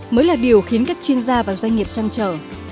mới là điều khiến các chuyên gia và doanh nghiệp chăn trở